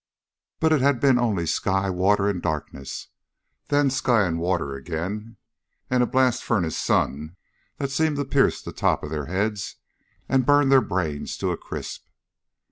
But it had been only sky, water, and darkness. Then sky, and water again, and a blast furnace sun that seemed to pierce the top of their heads and burn their brains to a crisp.